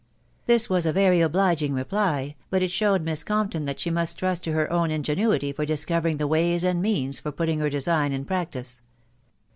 This was a very Obliging reply, but it showed Miss Compton that she must trust to her own ingenuity for discovering the ways and means for putting her design in practice.